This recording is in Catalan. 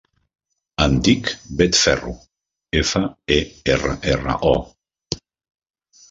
Em dic Beth Ferro: efa, e, erra, erra, o.